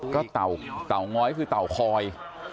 ก็เต่าง้อยคือเต่าคอย